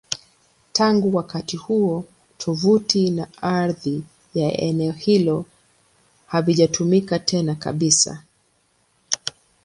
Tangu wakati huo, tovuti na ardhi ya eneo hilo havijatumika tena kabisa.